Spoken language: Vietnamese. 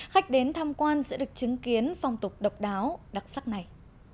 khách đến tham quan sẽ được chứng kiến phong tục độc đáo đặc sắc này